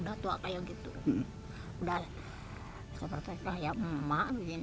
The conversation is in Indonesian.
udah seperti kayak emak begini udah tua